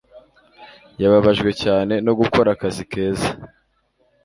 Yababajwe cyane no gukora akazi keza